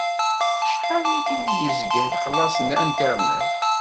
Acḥal i k-d-yezga lexlaṣ n Internet?